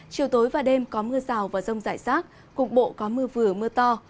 chiều tối và đêm có mưa rào và rông rải rác khu vực bộ có mưa vừa mưa to